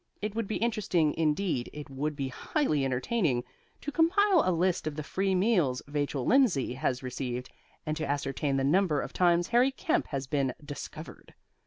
It would be interesting indeed it would be highly entertaining to compile a list of the free meals Vachel Lindsay has received, and to ascertain the number of times Harry Kemp has been "discovered."